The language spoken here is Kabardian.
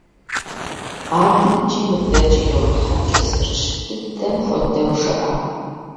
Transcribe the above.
АдэкӀи мыдэкӀи йумыхьэкӀыу, зэрыщыт дыдэм хуэдэу жыӏэ.